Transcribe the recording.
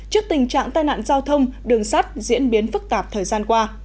trước tình trạng tai nạn giao thông đường sắt diễn biến phức tạp thời gian qua